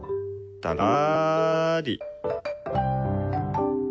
たらり。